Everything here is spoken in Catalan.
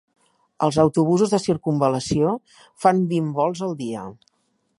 Els autobusos de circumval·lació fan vint volts al dia.